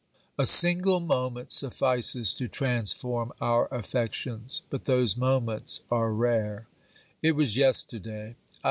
A single moment suffices to transform our affections, but those moments are rare. It was yesterday.